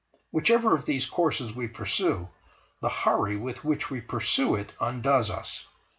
Whichever of these courses we pursue, the hurry with which we pursue it undoes us.